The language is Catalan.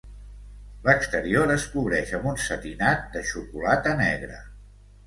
L'exterior es cobreix amb un setinat de xocolata negra.